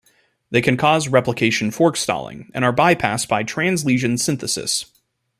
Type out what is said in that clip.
They can cause replication fork stalling and are bypassed by translesion synthesis.